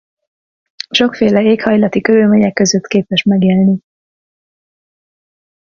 Sokféle éghajlati körülmények között képes megélni.